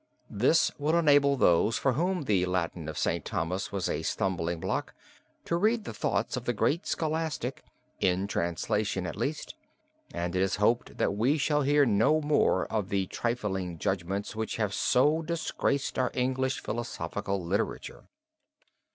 This will enable those for whom the Latin of St. Thomas was a stumbling block, to read the thoughts of the great scholastic, in translation at least, and it is to be hoped that we shall hear no more of the trifling judgments which have so disgraced our English philosophical literature.